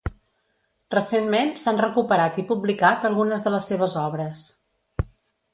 Recentment s'han recuperat i publicat algunes de les seves obres.